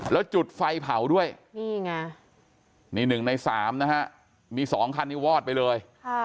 แล้วจุดไฟเผาด้วยนี่ไงนี่๑ใน๓นะฮะมี๒คันนี้วอดไปเลย